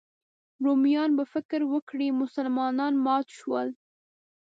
رومیان به فکر وکړي مسلمانان مات شول.